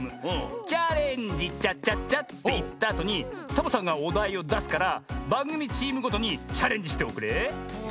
「チャレンジチャチャチャ！」っていったあとにサボさんがおだいをだすからばんぐみチームごとにチャレンジしておくれ。